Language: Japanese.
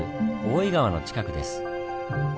大堰川の近くです。